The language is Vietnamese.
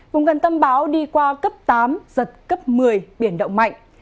vùng gần tâm bão đi qua cấp tám giật cấp một mươi biển động mạnh